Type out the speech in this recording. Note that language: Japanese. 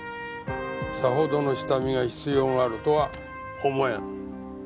さほどの下見が必要あるとは思えん。